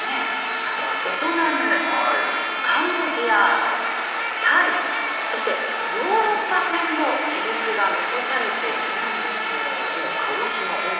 あとはベトナムカンボジアタイそしてヨーロッパ船の記述が残されているんですよ。